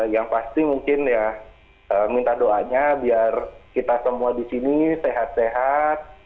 yang pasti mungkin ya minta doanya biar kita semua di sini sehat sehat